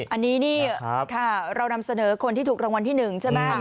อันนี้นี่ค่ะเรานำเสนอคนที่ถูกรางวัลที่๑ใช่ไหม